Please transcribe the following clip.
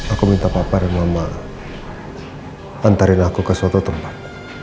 aku minta papar mama antarin aku ke suatu tempat